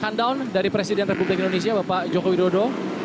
kandown dari presiden republik indonesia bapak joko widodo